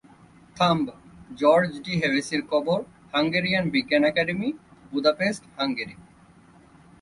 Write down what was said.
থাম্ব|জর্জ D হেভেসির কবর, Hungarian বিজ্ঞান একাডেমী, বুদাপেস্ট, হাঙ্গেরি